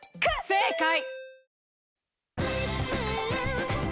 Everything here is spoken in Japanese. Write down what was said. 正解！